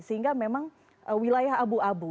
sehingga memang wilayah abu abu